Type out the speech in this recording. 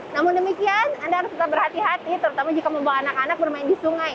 namun demikian anda harus tetap berhati hati terutama jika membawa anak anak bermain di sungai